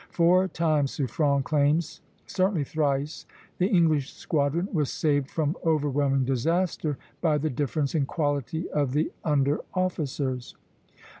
Four times, Suffren claims, certainly thrice, the English squadron was saved from overwhelming disaster by the difference in quality of the under officers.